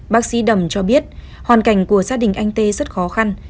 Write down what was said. bác sĩ đầm cho biết hoàn cảnh của gia đình anh tê rất khó khăn